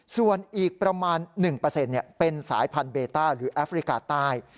ส่วนอีกประมาณ๑เป็นสายพันธุเบต้าหรือแอฟริกาใต้